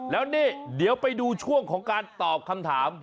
แล้วนี่เดี๋ยวไปดูช่วงของการตอบคำถาม